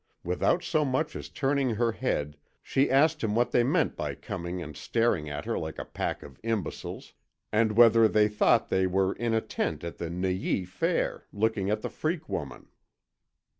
Without so much as turning her head, she asked them what they meant by coming and staring at her like a pack of imbeciles, and whether they thought they were in a tent at the Neuilly Fair, looking at the freak woman.